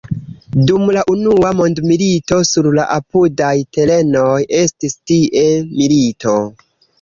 Dum la Unua Mondmilito sur la apudaj terenoj estis tie milito.